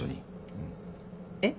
うん。えっ？